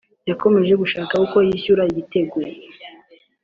yakomeje gushaka uko yishyura igitego